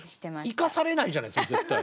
生かされないじゃないですか絶対。